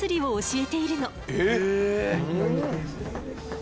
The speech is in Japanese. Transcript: え！